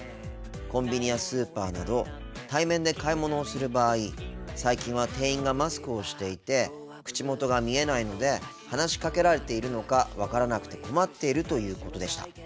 コンビニやスーパーなど対面で買い物をする場合最近は店員がマスクをしていて口元が見えないので話しかけられているのか分からなくて困っているということでした。